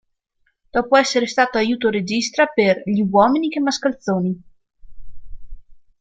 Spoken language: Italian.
Dopo essere stato aiuto regista per "Gli uomini, che mascalzoni!